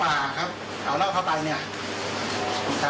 ถูกมั้ยฮะจิตราสองเอาเล่าเข้าไปคนไปเที่ยวป่าครับ